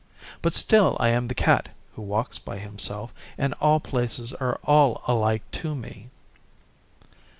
But still I am the Cat who walks by himself, and all places are alike to me.